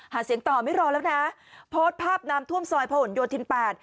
หาเสียงต่อไม่รอแล้วนะโพสต์ภาพน้ำท่วมซอยพระหลโยธินแปด